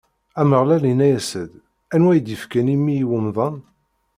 Ameɣlal inna-as-d: Anwa i d-ifkan imi i wemdan?